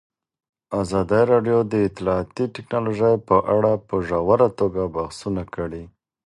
ازادي راډیو د اطلاعاتی تکنالوژي په اړه په ژوره توګه بحثونه کړي.